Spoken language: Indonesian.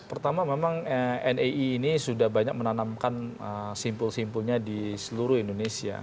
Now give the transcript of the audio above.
pertama memang nii ini sudah banyak menanamkan simpul simpulnya di seluruh indonesia